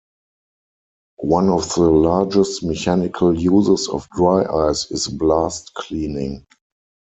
One of the largest mechanical uses of dry ice is blast cleaning.